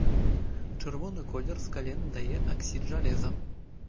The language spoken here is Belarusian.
Чырвоны колер скале надае аксід жалеза.